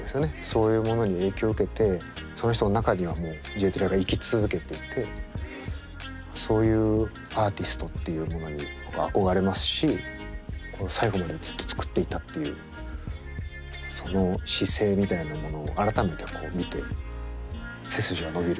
そういうものに影響を受けてその人の中にはもうＪ・ディラが生き続けていてそういうアーティストっていうものに僕憧れますし最期までずっと作っていたっていうその姿勢みたいなものを改めて見て背筋が伸びる思いでしたね。